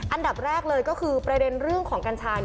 อันดับแรกเลยก็คือประเด็นเรื่องของกัญชา